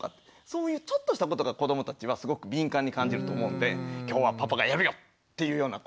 そういうちょっとしたことが子どもたちはすごく敏感に感じると思うんで今日はパパがやるよっていうような